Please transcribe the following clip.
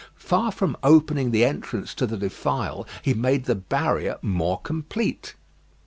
Far from opening the entrance to the defile, he made the barrier more complete.